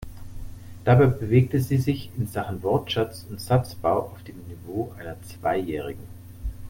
Dabei bewegte sie sich in Sachen Wortschatz und Satzbau auf dem Niveau einer Zweijährigen.